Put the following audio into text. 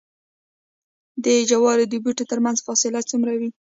د جوارو د بوټو ترمنځ فاصله څومره وي؟